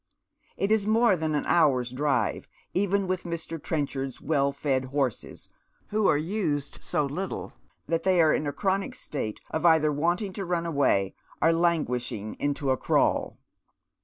It is more than an hour's drive, even with Mr. Trenchard's well fed horses, who are Uf^od so little that they are in a chronic state of either wanting to mil away or languishing into a crawl.